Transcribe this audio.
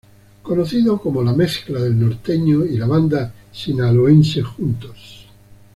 Conocido como la mezcla del norteño y la banda sinaloense juntos.